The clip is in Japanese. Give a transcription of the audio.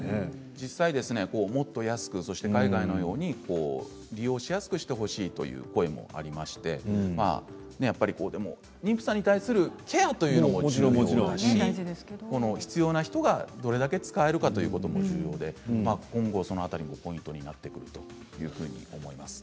実際、もっと安く海外のように利用しやすくしてほしいという声もありましてでも、妊婦さんに対するケアというのは大事だし必要な人がどれだけ使えるかということも重要で今後その辺りもポイントになってくるというふうに思います。